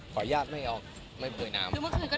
แปลกทอดรถถึงโรงแรม